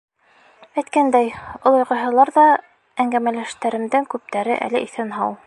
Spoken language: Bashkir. Әйткәндәй, олоғайһалар ҙа, әңгәмәләштәремдең күптәре әле иҫән-һау.